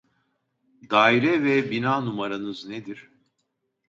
Daire ve bina numaranız nedir?